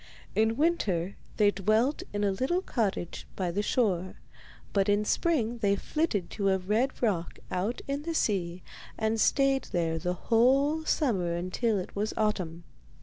In winter they dwelt in a little cottage by the shore, but in spring they flitted to a red rock out in the sea and stayed there the whole summer until it was autumn.